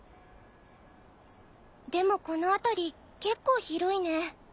でもこの辺り結構広いね。